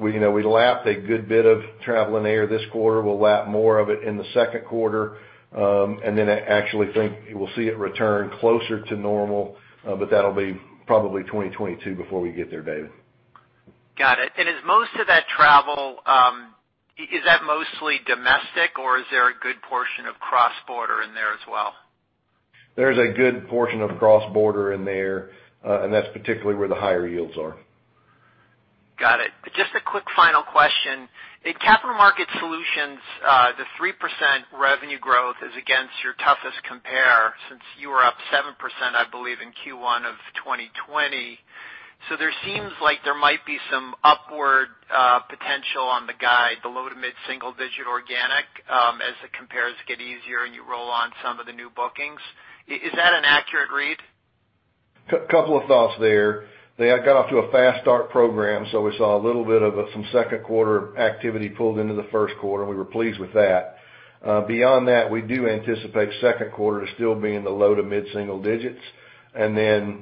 We lapped a good bit of travel and air this quarter. We'll lap more of it in the second quarter. I actually think we'll see it return closer to normal; that'll be probably 2022 before we get there, David. Got it. Is most of that travel, is that mostly domestic, or is there a good portion of cross-border in there as well? There's a good portion of cross-border in there, and that's particularly where the higher yields are. Got it. Just a quick final question. In Capital Market Solutions, the 3% revenue growth is against your toughest compare since you were up 7%, I believe, in Q1 of 2020. There seems like there might be some upward potential on the guide, the low- to mid-single-digit organic, as the compares get easier and you roll on some of the new bookings. Is that an accurate read? Couple of thoughts there. They had got off to a fast start program; we saw a little bit of some second quarter activity pulled into the first quarter, and we were pleased with that. Beyond that, we do anticipate second quarter to still be in the low to mid-single digits and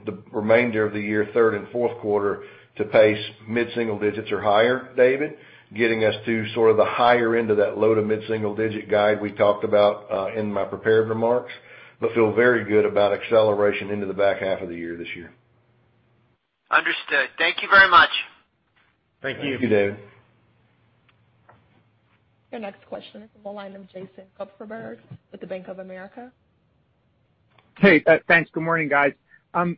the remainder of the year, third and fourth quarters, to pace mid-single digits or higher, David, getting us to sort of the higher end of that low to mid-single digit guide we talked about in my prepared remarks. We feel very good about acceleration into the back half of the year this year. Understood. Thank you very much. Thank you. Thank you, David. Your next question is on the line of Jason Kupferberg with the Bank of America. Hey, thanks. Good morning, guys.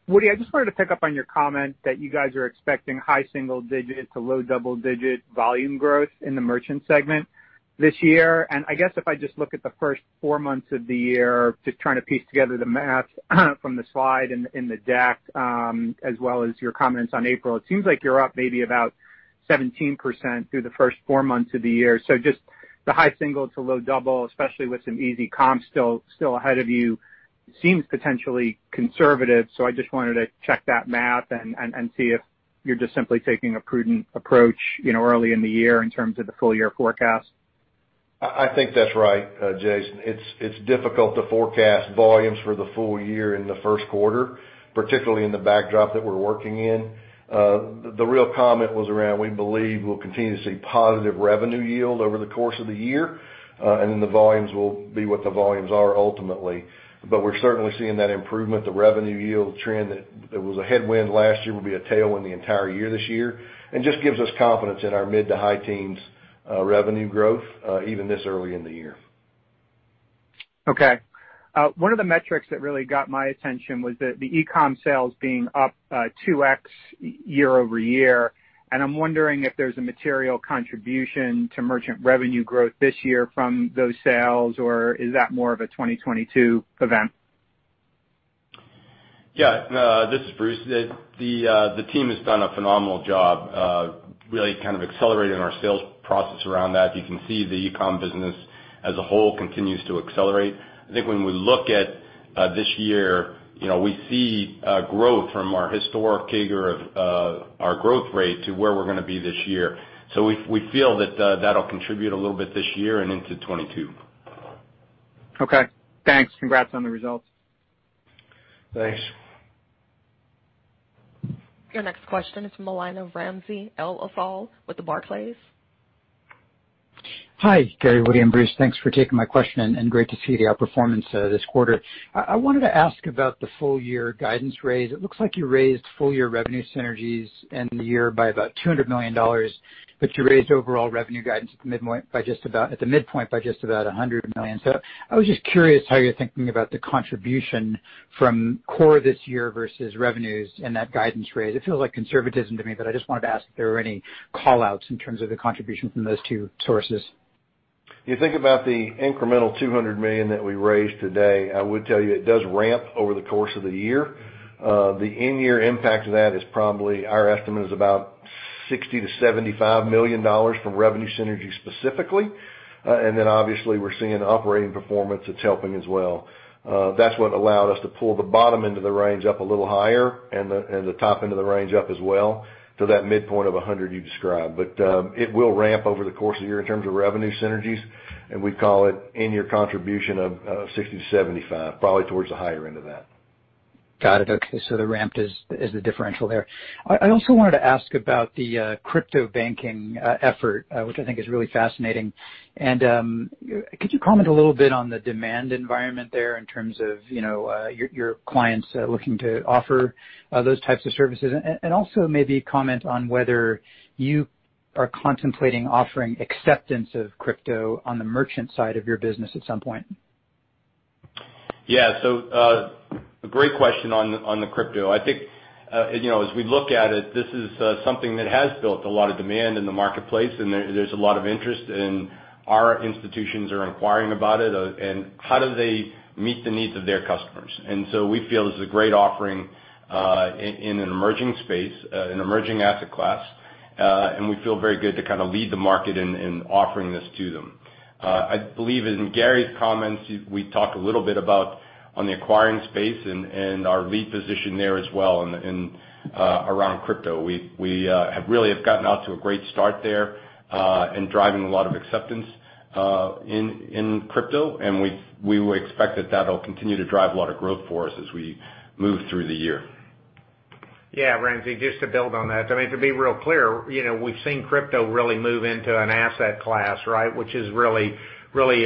Woody, I just wanted to pick up on your comment that you guys are expecting high single-digit to low double-digit volume growth in the merchant segment this year. I guess if I just look at the first four months of the year to try to piece together the math from the slide in the deck, as well as your comments on April, it seems like you're up maybe about 17% through the first four months of the year. Just the high single to low double, especially with some easy comps still ahead of you, seems potentially conservative. I just wanted to check that math and see if you're just simply taking a prudent approach early in the year in terms of the full year forecast. I think that's right, Jason. It's difficult to forecast volumes for the full year in the first quarter, particularly in the backdrop that we're working in. The real comment was around, "We believe we'll continue to see positive revenue yield over the course of the year, and then the volumes will be what the volumes are ultimately." We're certainly seeing that improvement; the revenue yield trend that was a headwind last year will be a tailwind the entire year this year and just gives us confidence in our mid-to-high teens revenue growth, even this early in the year. Okay. One of the metrics that really got my attention was that the e-com sales being up 2x year-over-year, I'm wondering if there's a material contribution to merchant revenue growth this year from those sales, or is that more of a 2022 event? This is Bruce. The team has done a phenomenal job really kind of accelerating our sales process around that. You can see the e-com business as a whole continues to accelerate. I think when we look at this year, we see growth from our historic CAGR of our growth rate to where we're going to be this year. We feel that'll contribute a little bit this year and into 2022. Okay. Thanks. Congrats on the results. Thanks. Your next question is from the line of Ramsey El-Assal with the Barclays. Hi, Gary, Woody, and Bruce. Thanks for taking my question, and great to see the outperformance this quarter. I wanted to ask about the full-year guidance raise. It looks like you raised full-year revenue synergies end of the year by about $200 million, but you raised overall revenue guidance at the midpoint by just about $100 million. I was just curious how you're thinking about the contribution from core this year versus revenues and that guidance raise. It feels like conservatism to me, but I just wanted to ask if there were any call-outs in terms of the contribution from those two sources. You think about the incremental $200 million that we raised today; I would tell you it does ramp over the course of the year. The in-year impact of that is probably; our estimate is about $60-$75 million from revenue synergy specifically. Obviously we're seeing operating performance that's helping as well. That's what allowed us to pull the bottom end of the range up a little higher and the top end of the range up as well to that midpoint of $100 you described. It will ramp up over the course of the year in terms of revenue synergies, and we'd call it in-year contribution of $60-$75, probably towards the higher end of that. Got it. Okay, the ramp is the differential there. I also wanted to ask about the crypto banking effort, which I think is really fascinating. Could you comment a little bit on the demand environment there in terms of your clients looking to offer those types of services? Also maybe comment on whether you are contemplating offering acceptance of crypto on the merchant side of your business at some point. Yeah. A great question on the crypto. I think as we look at it, this is something that has built a lot of demand in the marketplace, and there's a lot of interest. Our institutions are inquiring about it and how do they meet the needs of their customers. We feel this is a great offering in an emerging space, an emerging asset class, and we feel very good to kind of lead the market in offering this to them. I believe in Gary's comments; we talked a little bit about on the acquiring space and our lead position there as well around crypto. We really have gotten out to a great start there, and driving a lot of acceptance in crypto, and we would expect that that'll continue to drive a lot of growth for us as we move through the year. Yeah, Ramsey, just to build on that. To be real clear, we've seen crypto really move into an asset class, which is really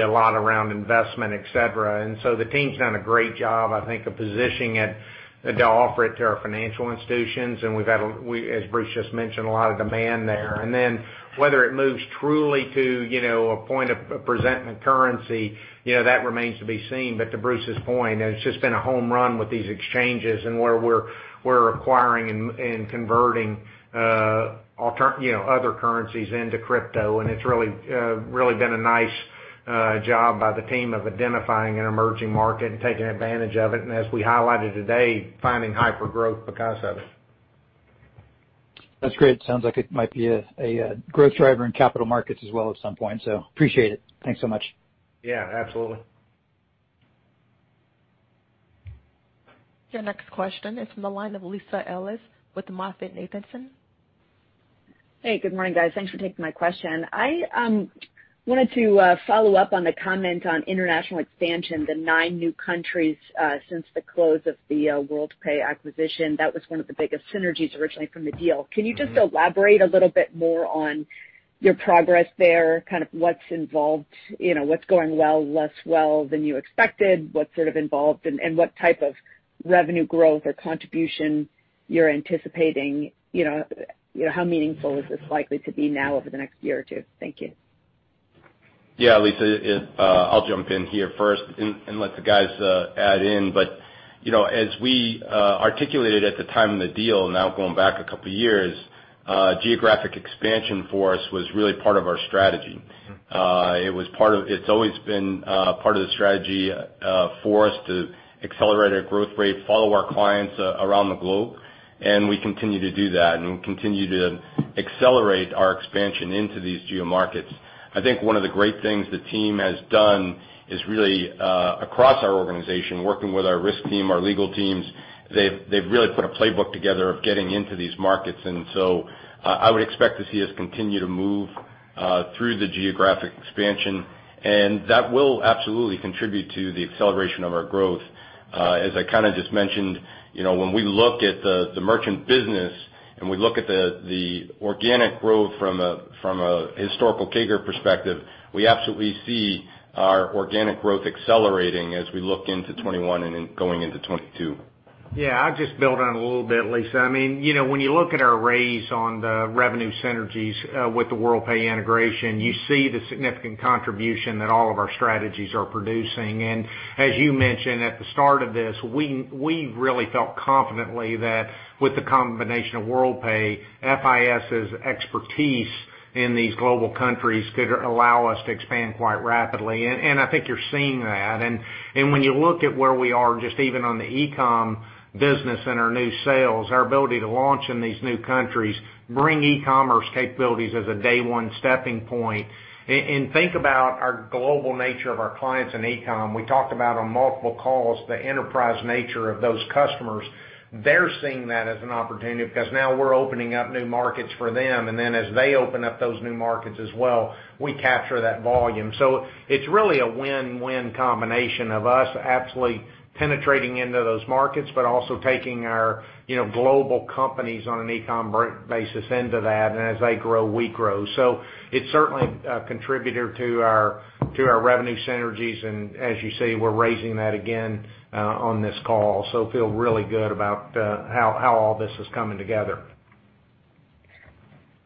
a lot around investment, et cetera. The team's done a great job, I think, of positioning it to offer it to our financial institutions. We've had, as Bruce just mentioned, a lot of demand there. Then whether it moves truly to a point of presenting a currency, that remains to be seen. To Bruce's point, it's just been a home run with these exchanges and where we're acquiring and converting other currencies into crypto. It's really been a nice job by the team of identifying an emerging market and taking advantage of it, as we highlighted today, finding hypergrowth because of it. That's great. Sounds like it might be a growth driver in capital markets as well at some point. Appreciate it. Thanks so much. Yeah, absolutely. Your next question is from the line of Lisa Ellis with MoffettNathanson. Hey, good morning, guys. Thanks for taking my question. I wanted to follow up on the comment on international expansion, the nine new countries since the close of the Worldpay acquisition. That was one of the biggest synergies originally from the deal. Can you just elaborate a little bit more on your progress there, kind of what's involved, what's going well, less well than you expected, what's sort of involved, and what type of revenue growth or contribution you're anticipating? How meaningful is this likely to be now over the next year or two? Thank you. Lisa, I'll jump in here first and let the guys add in. As we articulated at the time of the deal, now going back a couple of years, geographic expansion for us was really part of our strategy. It's always been part of the strategy for us to accelerate our growth rate, follow our clients around the globe; we continue to do that, and we continue to accelerate our expansion into these geo-markets. I think one of the great things the team has done is really across our organization, working with our risk team, our legal teams; they've really put a playbook together of getting into these markets. I would expect to see us continue to move through the geographic expansion, that will absolutely contribute to the acceleration of our growth. As I kind of just mentioned, when we look at the merchant business and we look at the organic growth from a historical CAGR perspective, we absolutely see our organic growth accelerating as we look into 2021 and going into 2022. Yeah. I'll just build on it a little bit, Lisa. When you look at our raise on the revenue synergies with the Worldpay integration, you see the significant contribution that all of our strategies are producing. As you mentioned at the start of this, we really felt confidently that with the combination of Worldpay, FIS's expertise in these global countries could allow us to expand quite rapidly. I think you're seeing that. When you look at where we are, just even on the e-com business and our new sales, our ability to launch in these new countries, bring e-commerce capabilities as a day one stepping point, and think about our global nature of our clients in e-com. We talked about on multiple calls the enterprise nature of those customers. They're seeing that as an opportunity because now we're opening up new markets for them, and then as they open up those new markets as well, we capture that volume. It's really a win-win combination of us absolutely penetrating into those markets but also taking our global companies on an e-com basis into that, and as they grow, we grow. It's certainly a contributor to our revenue synergies, and as you see, we're raising that again on this call. Feel really good about how all this is coming together.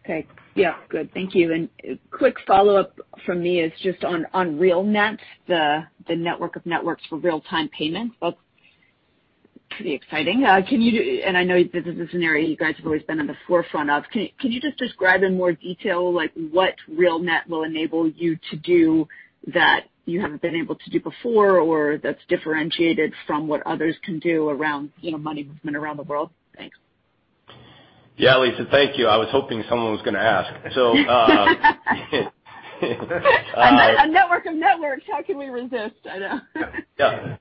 Okay. Yeah, good. Thank you. Quick follow-up from me is just on RealNet, the network of networks for real-time payments. That's pretty exciting. I know this is a scenario you guys have always been on the forefront of. Can you just describe in more detail, like, what RealNet will enable you to do that you haven't been able to do before or that's differentiated from what others can do around money movement around the world? Thanks. Yeah, Lisa. Thank you. I was hoping someone was going to ask. A network of networks, how can we resist? I know. Yeah.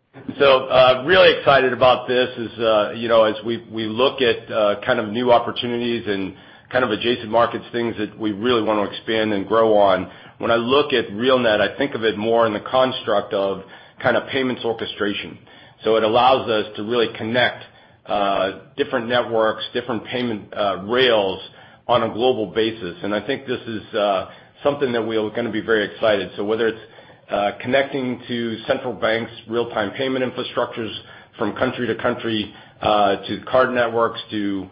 Really excited about this as we look at kind of new opportunities and kind of adjacent markets, things that we really want to expand and grow on. When I look at RealNet, I think of it more in the construct of kind of payment orchestration. It allows us to really connect different networks, different payment rails on a global basis. I think this is something that we're going to be very excited. Whether it's connecting to central banks' real-time payment infrastructures from country to country, to card networks, to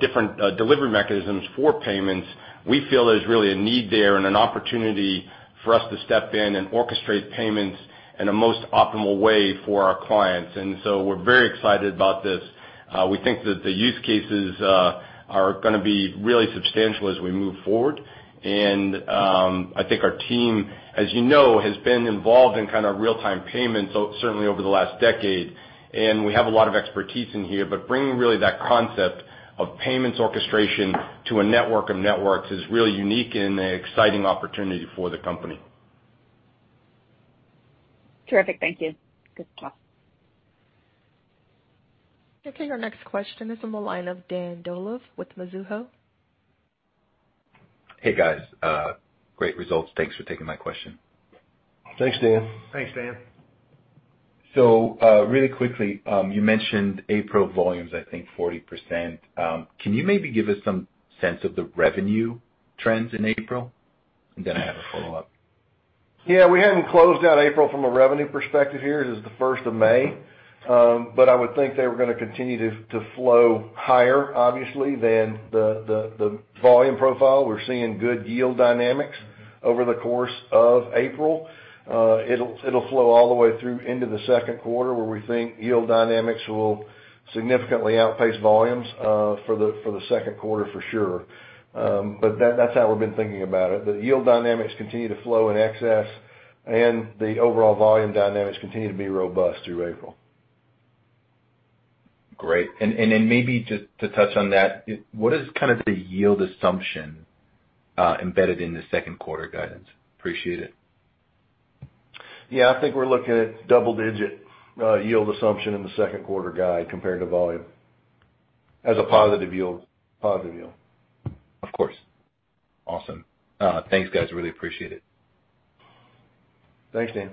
different delivery mechanisms for payments, we feel there's really a need there and an opportunity for us to step in and orchestrate payments in the most optimal way for our clients. We're very excited about this. We think that the use cases are going to be really substantial as we move forward. I think our team, as you know, has been involved in kind of real-time payments, certainly over the last decade, and we have a lot of expertise in here. Bringing really that concept of payments orchestration to a network of networks is really unique and an exciting opportunity for the company. Terrific. Thank you. Good talk. Okay, our next question is on the line of Dan Dolev with Mizuho. Hey, guys. Great results. Thanks for taking my question. Thanks, Dan. Thanks, Dan. Really quickly, you mentioned April volumes, I think 40%. Can you maybe give us some sense of the revenue trends in April? I have a follow-up. Yeah. We haven't closed out April from a revenue perspective here. It is the 1st of May. I would think they were going to continue to flow higher, obviously, than the volume profile. We're seeing good yield dynamics. Over the course of April. It'll flow all the way through into the second quarter, where we think yield dynamics will significantly outpace volumes for the second quarter, for sure. That's how we've been thinking about it. The yield dynamics continue to flow in excess, and the overall volume dynamics continue to be robust through April. Great. Then maybe just to touch on that, what is kind of the yield assumption embedded in the second quarter guidance? Appreciate it. Yeah. I think we're looking at double-digit yield assumption in the second quarter guide compared to volume as a positive yield. Of course. Awesome. Thanks, guys. Really appreciate it. Thanks, Dan.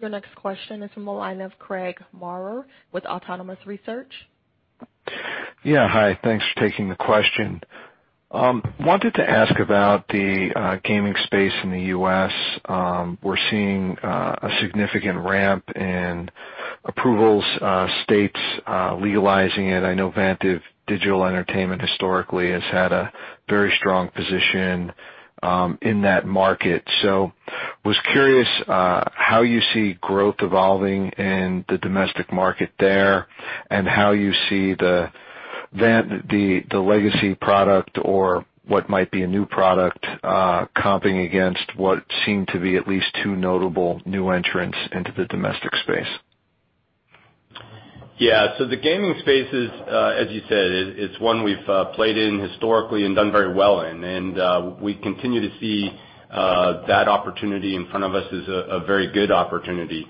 Your next question is from the line of Craig Maurer with Autonomous Research. Yeah. Hi, thanks for taking the question. Wanted to ask about the gaming space in the U.S. We're seeing a significant ramp in approvals, states legalizing it. I know Vantiv Digital Entertainment historically has had a very strong position in that market. Was curious how you see growth evolving in the domestic market there and how you see the legacy product or what might be a new product comping against what seem to be at least two notable new entrants into the domestic space. The gaming space is, as you said, it's one we've played in historically and done very well in. We continue to see that opportunity in front of us as a very good opportunity.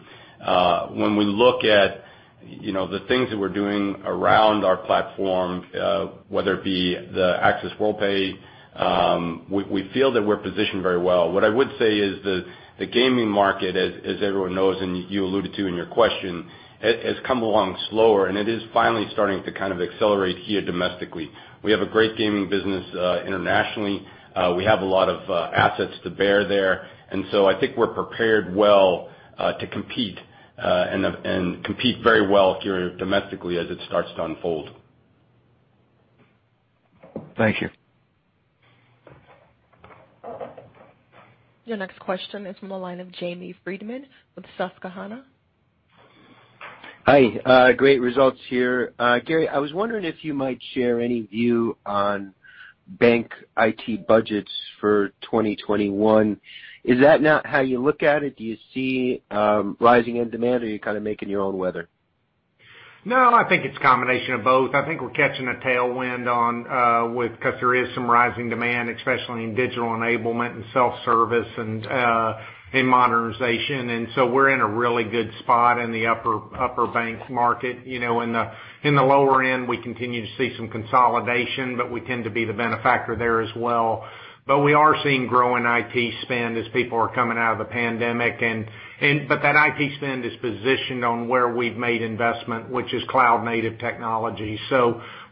When we look at the things that we're doing around our platform, whether it be the Access Worldpay, we feel that we're positioned very well. What I would say is the gaming market, as everyone knows and you alluded to in your question, has come along slower; it is finally starting to kind of accelerate here domestically. We have a great gaming business internationally. We have a lot of assets to bear there. I think we're prepared well to compete and compete very well here domestically as it starts to unfold. Thank you. Your next question is from the line of Jamie Friedman with Susquehanna. Hi. Great results here. Gary, I was wondering if you might share any view on bank IT budgets for 2021. Is that not how you look at it? Do you see rising end demand, or are you kind of making your own weather? No, I think it's a combination of both. I think we're catching a tailwind because there is some rising demand, especially in digital enablement and self-service and in modernization. We're in a really good spot in the upper bank market. In the lower end, we continue to see some consolidation, but we tend to be the benefactor there as well. We are seeing growing IT spend as people are coming out of the pandemic. That IT spend is positioned on where we've made investment, which is cloud-native technology.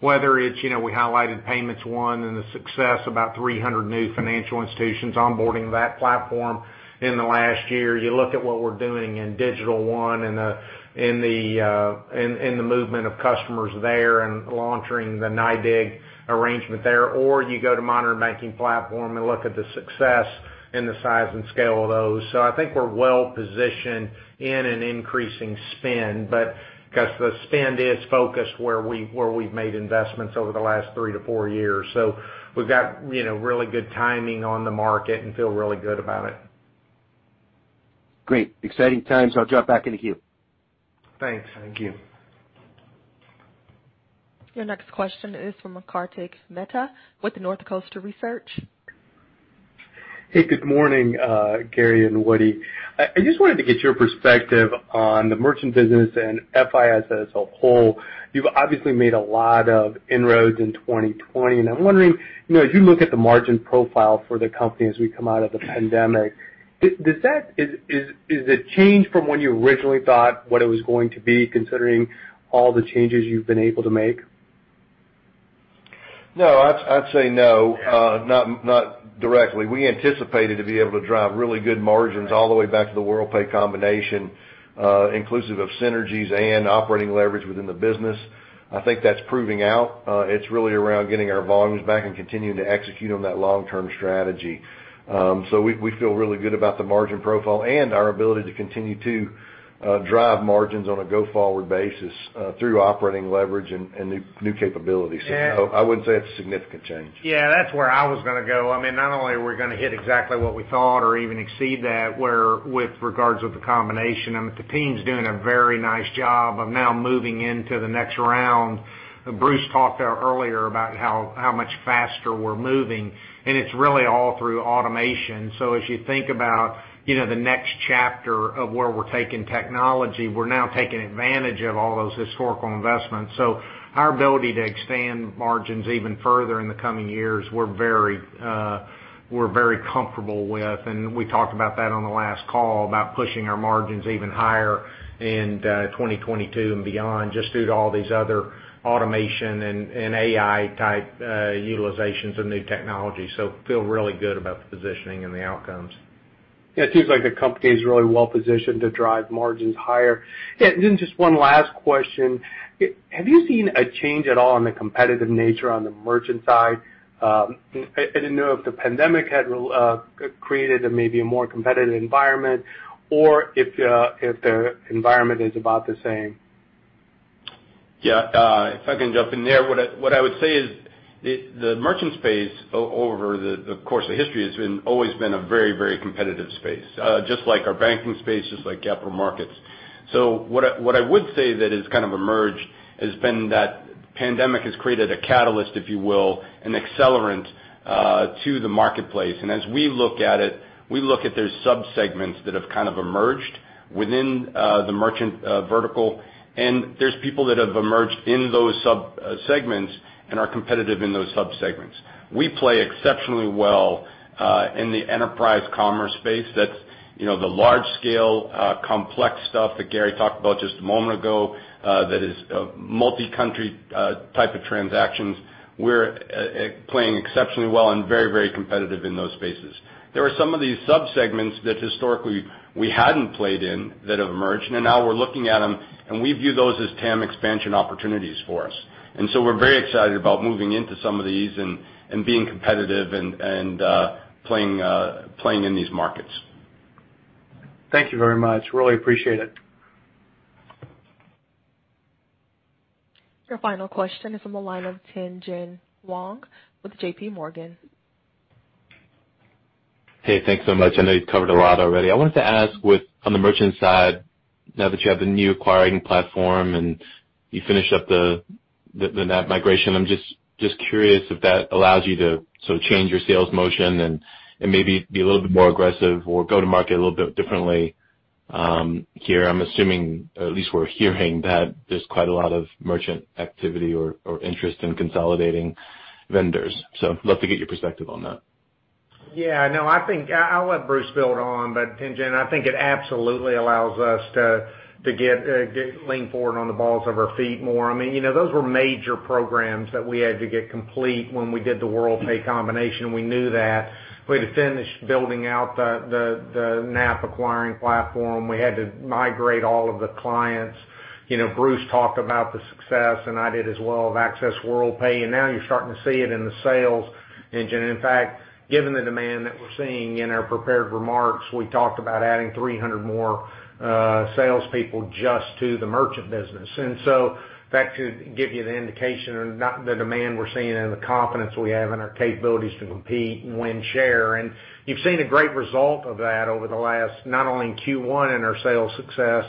Whether it's, we highlighted Payments One and the success, about 300 new financial institutions onboarding that platform in the last year. You look at what we're doing in Digital One and the movement of customers there and launching the NYDIG arrangement there. You go to Modern Banking Platform and look at the success and the size and scale of those. I think we're well-positioned in an increasing spend, but because the spend is focused where we've made investments over the last three to four years. We've got really good timing on the market and feel really good about it. Great. Exciting times. I'll drop back into the queue. Thanks. Thank you. Your next question is from Kartik Mehta with Northcoast Research. Hey, good morning, Gary and Woody. I just wanted to get your perspective on the merchant business and FIS as a whole. You've obviously made a lot of inroads in 2020. I'm wondering, as you look at the margin profile for the company as we come out of the pandemic, is it changed from when you originally thought what it was going to be, considering all the changes you've been able to make. No, I'd say no, not directly. We anticipated to be able to drive really good margins all the way back to the Worldpay combination, inclusive of synergies and operating leverage within the business. I think that's proving out. It's really around getting our volumes back and continuing to execute on that long-term strategy. We feel really good about the margin profile and our ability to continue to drive margins on a go-forward basis through operating leverage and new capabilities. No, I wouldn't say it's a significant change. Yeah, that's where I was going to go. Not only are we going to hit exactly what we thought or even exceed that with regards with the combination. I mean, the team's doing a very nice job of now moving into the next round. Bruce talked earlier about how much faster we're moving, and it's really all through automation. As you think about the next chapter of where we're taking technology, we're now taking advantage of all those historical investments. Our ability to expand margins even further in the coming years, we're very comfortable with. We talked about that on the last call about pushing our margins even higher in 2022 and beyond, just due to all these other automation and AI-type utilizations of new technology. Feel really good about the positioning and the outcomes. Yeah, it seems like the company is really well-positioned to drive margins higher. Yeah, just one last question? Have you seen a change at all in the competitive nature on the merchant side? I didn't know if the pandemic had created maybe a more competitive environment or if the environment is about the same. Yeah. If I can jump in there, what I would say is the merchant space over the course of history has always been a very competitive space. Just like our banking space, just like capital markets. What I would say that has kind of emerged has been that pandemic has created a catalyst, if you will, an accelerant, to the marketplace. As we look at it, we look at those subsegments that have kind of emerged within the merchant vertical, and there's people that have emerged in those subsegments and are competitive in those subsegments. We play exceptionally well in the enterprise commerce space. That's the large-scale, complex stuff that Gary talked about just a moment ago, that is multi-country types of transactions. We're playing exceptionally well and very competitive in those spaces. There are some of these subsegments that historically we hadn't played in that have emerged; now we're looking at them, and we view those as TAM expansion opportunities for us. We're very excited about moving into some of these and being competitive and playing in these markets. Thank you very much. Really appreciate it. Your final question is on the line of Tien-Tsin Huang with JPMorgan. Hey, thanks so much. I know you've covered a lot already. I wanted to ask on the merchant side, now that you have the new acquiring platform and you finished up the NAP migration, I'm just curious if that allows you to sort of change your sales motion and maybe be a little bit more aggressive or go to market a little bit differently. Here, I'm assuming, at least we're hearing that there's quite a lot of merchant activity or interest in consolidating vendors. Love to get your perspective on that. Yeah, no, I think I'll let Bruce build on, but Tien-Tsin, I think it absolutely allows us to lean forward on the balls of our feet more. Those were major programs that we had to get complete when we did the Worldpay combination. We knew that. We had to finish building out the NAP acquiring platform. We had to migrate all of the clients. Bruce talked about the success, and I did as well, of Access Worldpay, and now you're starting to see it in the sales engine. In fact, given the demand that we're seeing in our prepared remarks, we talked about adding 300 more salespeople just to the merchant business. That should give you an indication of the demand we're seeing and the confidence we have in our capabilities to compete and win share. You've seen a great result of that over the last not only in Q1 in our sales success,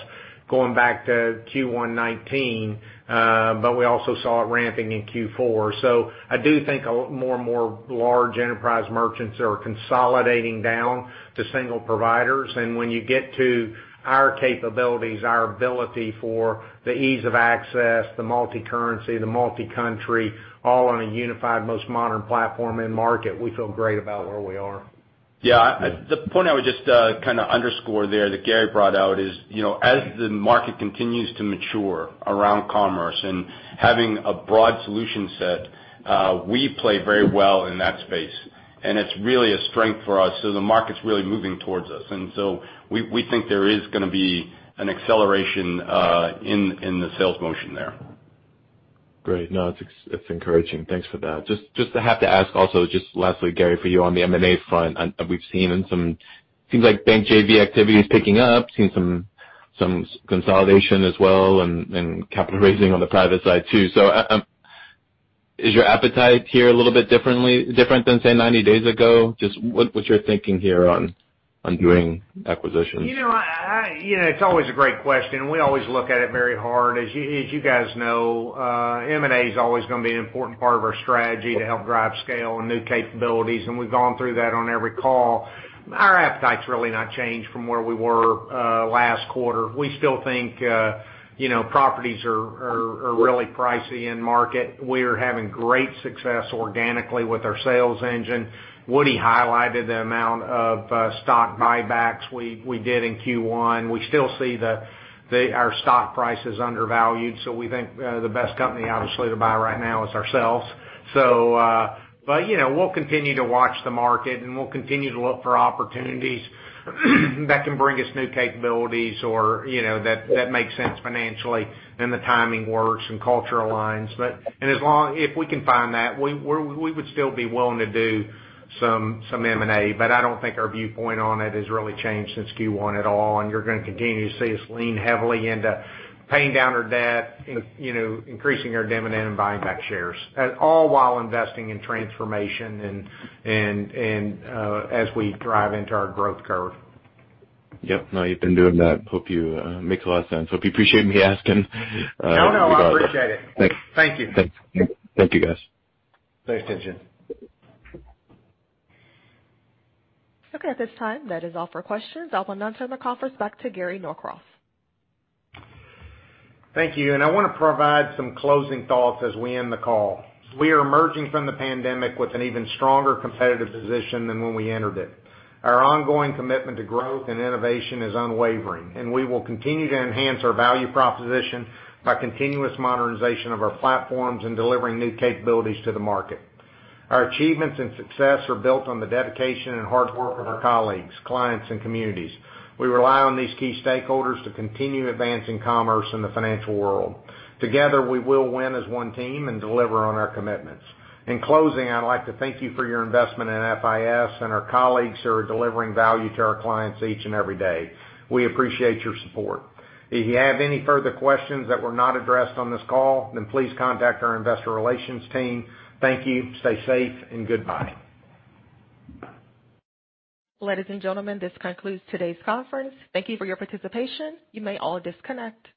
going back to Q1 2019, but we also saw it ramping in Q4. I do think a lot more large enterprise merchants are consolidating down to single providers. When you get to our capabilities, our ability for the ease of access, the multi-currency, the multi-country, all on a unified, most modern platform in market, we feel great about where we are. Yeah. The point I would just underscore there that Gary brought out is as the market continues to mature around commerce and having a broad solution set, we play very well in that space, and it's really a strength for us. The market's really moving towards us, and so we think there is going to be an acceleration in the sales motion there. Great. No, it's encouraging. Thanks for that. Just have to ask also, just lastly, Gary, for you on the M&A front, we've seen seems like bank JV activity is picking up, seen some consolidation as well, and capital raising on the private side too. Is your appetite here a little bit different than, say, 90 days ago? Just what's your thinking here on doing acquisitions? It's always a great question. We always look at it very hard. As you guys know, M&A is always going to be an important part of our strategy to help drive scale and new capabilities, and we've gone through that on every call. Our appetite's really not changed from where we were last quarter. We still think properties are really pricey in market. We're having great success organically with our sales engine. Woody highlighted the amount of stock buybacks we did in Q1. We still see that our stock price is undervalued, so we think the best company, obviously, to buy right now is ourselves. We'll continue to watch the market, and we'll continue to look for opportunities that can bring us new capabilities or that make sense financially and the timing works and culture aligns. If we can find that, we would still be willing to do some M&A, but I don't think our viewpoint on it has really changed since Q1 at all, and you're going to continue to see us lean heavily into paying down our debt, increasing our dividend, and buying back shares. All while investing in transformation and as we drive into our growth curve. Yep. No, you've been doing that. Makes a lot of sense. Hope you appreciate me asking. Oh, no, I appreciate it. Thanks. Thank you. Thanks. Thank you, guys. Thanks, Tien-Tsin. Okay, at this time, that is all for questions. I will now turn the conference back to Gary Norcross. Thank you, and I want to provide some closing thoughts as we end the call. We are emerging from the pandemic with an even stronger competitive position than when we entered it. Our ongoing commitment to growth and innovation is unwavering, and we will continue to enhance our value proposition by continuous modernization of our platforms and delivering new capabilities to the market. Our achievements and success are built on the dedication and hard work of our colleagues, clients, and communities. We rely on these key stakeholders to continue advancing commerce in the financial world. Together, we will win as one team and deliver on our commitments. In closing, I'd like to thank you for your investment in FIS and our colleagues who are delivering value to our clients each and every day. We appreciate your support. If you have any further questions that were not addressed on this call, please contact our investor relations team. Thank you. Stay safe. Goodbye. Ladies and gentlemen, this concludes today's conference. Thank you for your participation. You may all disconnect.